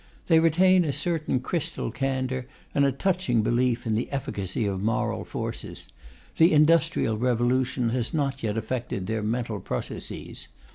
They retain a certain crystal candour and a touching belief in the efficacy of moral forces; the industrial revolution has not yet affected their mental processes.